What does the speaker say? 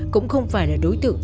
cũng không phải là đối tượng